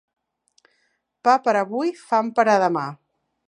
Pa per a avui, fam per a demà.